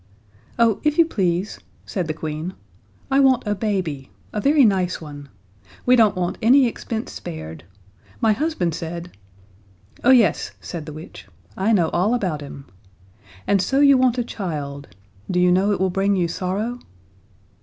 "Oh, if you please," said the Queen, "I want a baby a very nice one. We don't want any expense spared. My husband said " "Oh, yes," said the witch. "I know all about him. And so you want a child? Do you know it will bring you sorrow?"